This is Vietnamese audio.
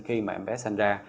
khi mà em bé sanh ra